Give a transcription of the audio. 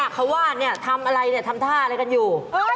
เขาว่าทำอะไรเนี่ยทำท่าอะไรกันอยู่